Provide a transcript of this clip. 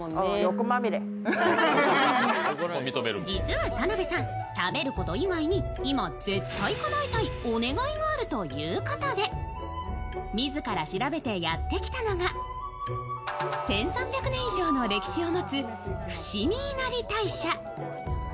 実は田辺さん、食べること以外に今、絶対かなえたいお願いがあるということで、自ら調べてやってきたのが、１３００年以上の歴史を持つ伏見稲荷神社。